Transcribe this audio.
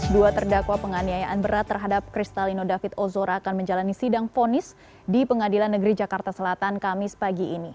dua terdakwa penganiayaan berat terhadap kristalino david ozora akan menjalani sidang ponis di pengadilan negeri jakarta selatan kamis pagi ini